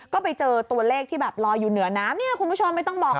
ก็ไปเจอตัวเลขที่แบบลอยอยู่เหนือน้ำเนี่ยคุณผู้ชมไม่ต้องบอก